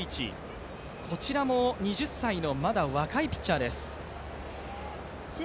こちらも２０歳のまだ若いピッチャーです。